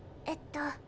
えっと。